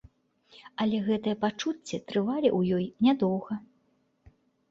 Але гэтыя пачуцці трывалі ў ёй нядоўга.